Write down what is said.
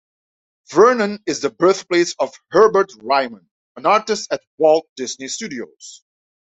Vernon is the birthplace of Herbert Ryman, an artist at Walt Disney Studios.